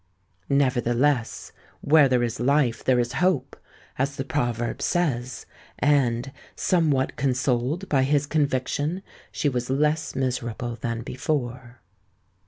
Nevertheless—"where there is life, there is hope," as the proverb says; and, somewhat consoled by his conviction, she was less miserable than before!